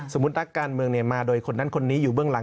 นักการเมืองมาโดยคนนั้นคนนี้อยู่เบื้องหลัง